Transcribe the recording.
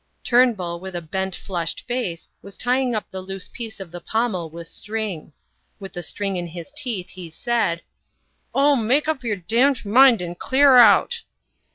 Turnbull, with a bent, flushed face, was tying up the loose piece of the pommel with string. With the string in his teeth, he said, "Oh, make up your damned mind and clear out!"